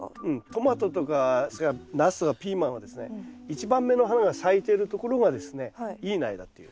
トマトとかそれからナスとかピーマンはですね一番目の花が咲いているところがですねいい苗だっていう。